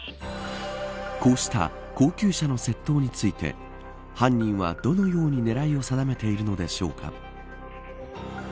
こうした高級車の窃盗について犯人は、どのように狙いを定めているのでしょうか。